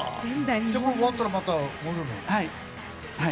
じゃあ終わったらまた戻るの？